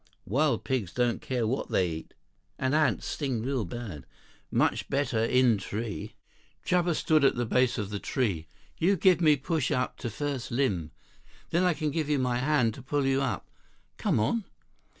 Wild pigs don't care who they eat. And ants sting real bad. Much better in tree." Chuba stood at the base of the tree. "You give me push up to first limb. Then I can give you my hand to pull you up. Come on."